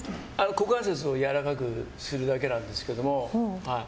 股関節をやわらかくするだけなんですけど。